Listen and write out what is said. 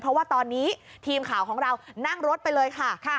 เพราะว่าตอนนี้ทีมข่าวของเรานั่งรถไปเลยค่ะ